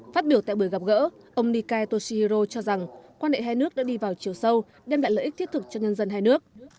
phát biểu tại buổi gặp gỡ ông nikai toshihiro cho rằng quan hệ hai nước đã đi vào chiều sâu đem lại lợi ích thiết thực cho nhân dân hai nước